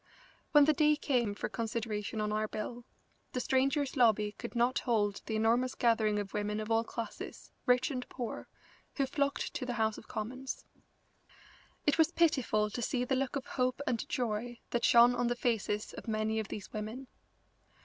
When the day came for consideration on our bill, the Strangers' Lobby could not hold the enormous gathering of women of all classes, rich and poor, who flocked to the House of Commons. It was pitiful to see the look of hope and joy that shone on the faces of many of these women.